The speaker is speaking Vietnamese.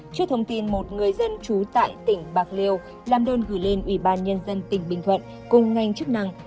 trước thông tin một người dân trú tại tỉnh bạc liêu làm đơn gửi lên ủy ban nhân dân tỉnh bình thuận cùng ngành chức năng